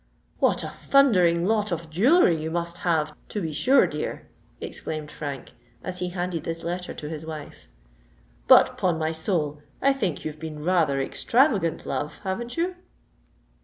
"What a thundering lot of jewellery you must have, to be sure, dear!" exclaimed Frank, as he handed this letter to his wife. "But, 'pon my soul! I think you've been rather extravagant, love—haven't you?"